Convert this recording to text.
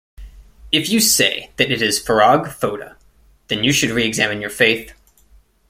If you say that it is Farag Foda, then you should reexamine your faith.